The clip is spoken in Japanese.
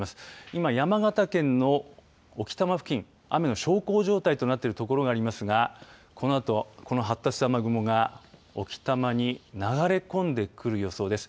今、山形県の置賜付近、雨が小康状態となっている所がありますがこのあとこの発達した雨雲がこのあと置賜に流れ込んでくる予想です。